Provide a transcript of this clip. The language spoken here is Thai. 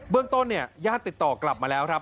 เรื่องต้นเนี่ยญาติติดต่อกลับมาแล้วครับ